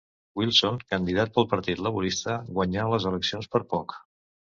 Wilson, candidat pel Partit Laborista, guanyà les eleccions per poc.